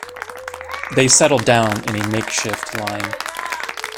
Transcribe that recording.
They settle down in a makeshift line.